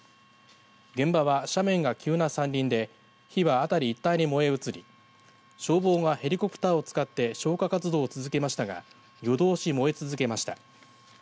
現場は斜面が急な山林で火は辺り一帯に燃え移り消防がヘリコプターを使って消火活動を続けましたが夜通し燃え続けました。